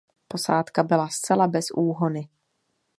Posádka byla zcela bez úhony.